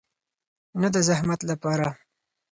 نه د زحمت لپاره.